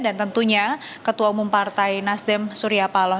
dan tentunya ketua umum partai nasdem surya paloh